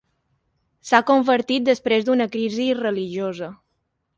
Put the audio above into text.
S'ha convertit després d'una crisi religiosa.